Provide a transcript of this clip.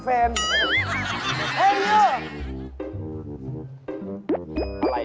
เป็นเนี่ย